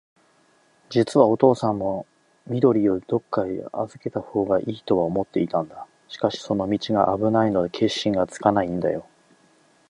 じつはおとうさんも、緑をどっかへあずけたほうがいいとは思っていたんだ。しかし、その道があぶないので、決心がつかないんだよ。